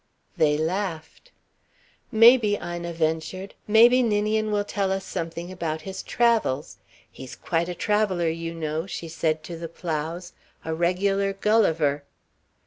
They laughed. "Maybe," Ina ventured, "maybe Ninian will tell us something about his travels. He is quite a traveller, you know," she said to the Plows. "A regular Gulliver."